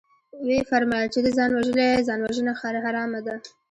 ويې فرمايل چې ده ځان وژلى ځانوژنه حرامه ده.